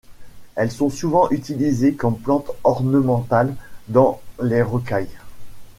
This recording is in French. Elles sont souvent utilisées comme plantes ornementales dans les rocailles.